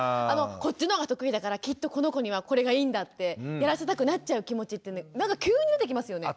こっちの方が得意だからきっとこの子にはこれがいいんだってやらせたくなっちゃう気持ちってなんか急に出てきますよね。